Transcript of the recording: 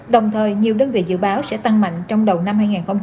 đồng thời nhiều đơn vị dự báo sẽ tăng mạnh trong đầu năm hai nghìn hai mươi